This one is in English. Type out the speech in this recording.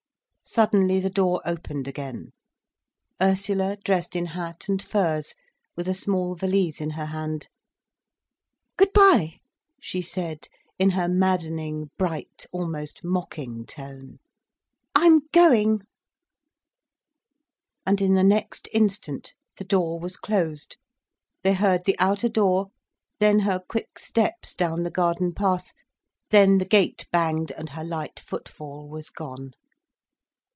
Suddenly the door opened again: Ursula, dressed in hat and furs, with a small valise in her hand: "Good bye!" she said, in her maddening, bright, almost mocking tone. "I'm going." And in the next instant the door was closed, they heard the outer door, then her quick steps down the garden path, then the gate banged, and her light footfall was gone.